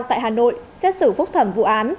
tại hà nội xét xử phúc thẩm vụ án